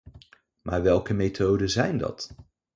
Maar welke methoden zijn dat?